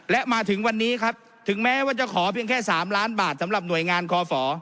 และมาถึงวันนี้ครับถึงแม้ว่าจะขอเพียงแค่๓ล้านบาทสำหรับหน่วยงานคอฝ